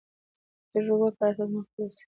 د تېرو تجربو پر اساس مخته يوسي.